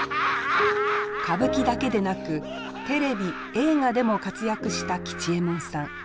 歌舞伎だけでなくテレビ映画でも活躍した吉右衛門さん。